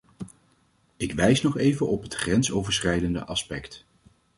Ik wijs nog even op het grensoverschrijdende aspect.